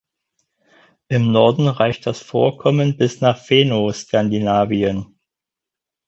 Im Norden reicht das Vorkommen bis nach Fennoskandinavien.